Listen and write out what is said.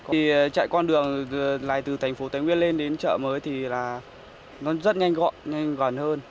thì chạy con đường này từ thành phố thái nguyên lên đến chợ mới thì là nó rất nhanh gọn hơn